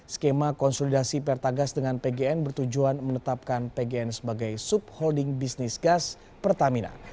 skema konsolidasi pertagas dengan pgn bertujuan menetapkan pgn sebagai subholding bisnis gas pertamina